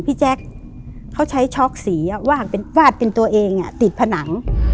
แจ๊คเขาใช้ช็อกสีวาดเป็นตัวเองติดผนัง